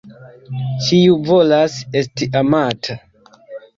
Ĉiu volas esti amata.